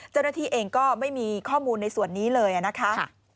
เจ้าหน้าที่เองก็ไม่มีข้อมูลในส่วนนี้เลยนะคะ